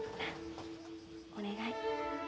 お願い。